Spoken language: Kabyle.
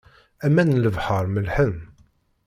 Aman n lebḥer mellḥen.